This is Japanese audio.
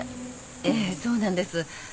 ええそうなんです。